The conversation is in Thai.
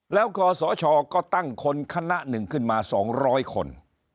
แล้วกศก็ตั้งคนคณะ๑ขึ้นมา๒๐๐คน